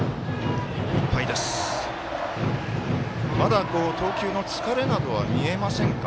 まだ、投球の疲れなどは見えませんか？